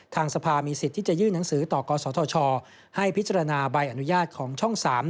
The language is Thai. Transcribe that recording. ทางสภามีสิทธิ์ที่จะยื่นหนังสือต่อกศธชให้พิจารณาใบอนุญาตของช่อง๓